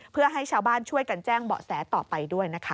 เพื่อให้ชาวบ้านช่วยกันแจ้งเบาะแสต่อไปด้วยนะคะ